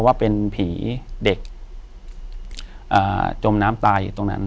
อยู่ที่แม่ศรีวิรัยิลครับ